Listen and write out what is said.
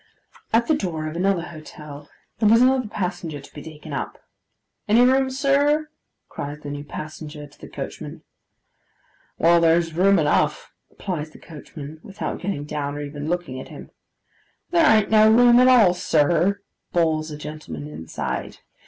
At the door of another hotel, there was another passenger to be taken up. 'Any room, sir?' cries the new passenger to the coachman. 'Well, there's room enough,' replies the coachman, without getting down, or even looking at him. 'There an't no room at all, sir,' bawls a gentleman inside.